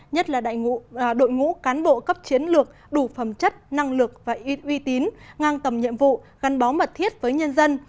nhất là đội ngũ cán bộ cấp chiến lược đủ phẩm chất năng lực và ít uy tín ngang tầm nhiệm vụ gắn bó mật thiết với nhân dân